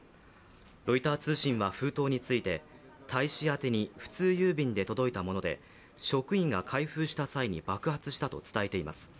ロイター通信は封筒について、大使宛てに普通郵便で届いたもので職員が開封した際に爆発したと伝えています。